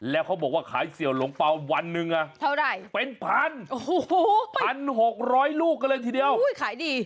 แล้วเขาบอกว่าขายเซียวโรงเป้าวันหนึ่งเป็น๑๖๐๐ลูกเลยทีเดียวขายดี